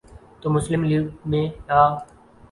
تو مسلم لیگ میں آ۔